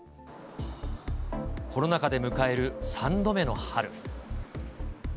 コロナ禍で迎える３度目の春。